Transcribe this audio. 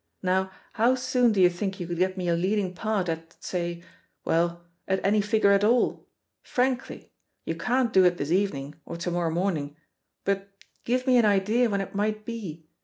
Now, how soon do you think you could get me a lead ing part, at, say — ^well, at any figure at all? Frankly! You can't do it this evening, or to morrow morning, but give me an idea when it might be.